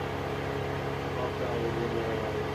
তোমার বাপ তার আগের দিনেই লড়াইয়ে মারা গিয়েছিলেন।